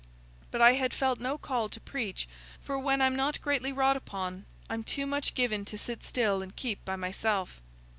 But I had felt no call to preach, for when I'm not greatly wrought upon, I'm too much given to sit still and keep by myself.